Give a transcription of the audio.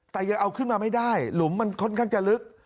แต่ยังเอาขึ้นมาไม่ได้หลุมมันค่อนข้างจะลึก